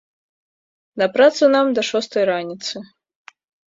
На працу нам да шостай раніцы.